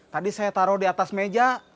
tadi saya taruh di atas meja